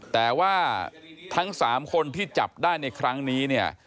แต่ว่าทั้งสามคนที่จับได้ในครั้งนี้